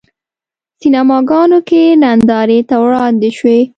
سینماګانو کې نندارې ته وړاندې شوی.